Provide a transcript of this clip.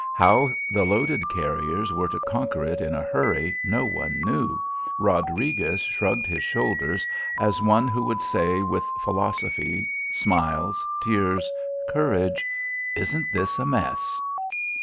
How the loaded carriers were to conquer it in a hurry, no one knew. Rodriguez shrugged his shoulders as one who would say with philosophy, smiles, tears, courage: "Isn't this a mess!"